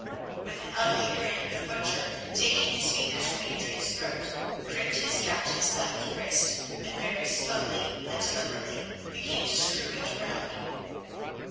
With an ugly grin the Butcher, taking his fingers from Adrian's throat, gripped his captive's left wrist, and very slowly and deliberately began to screw it round.